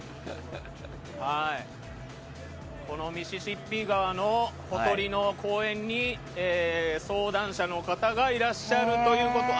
このミシシッピ川のほとりの公園に相談者の方がいらっしゃるということで。